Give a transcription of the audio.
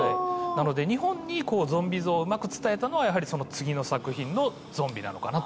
なので日本にこうゾンビ像をうまく伝えたのはやはりその次の作品の「ゾンビ」なのかなと。